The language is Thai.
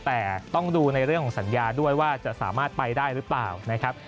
แต่ต้องดูในเรื่องของสัญญาด้วยว่าจะสามารถไปได้หรือเปล่านะครับ